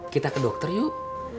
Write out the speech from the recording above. kita ke dokter yuk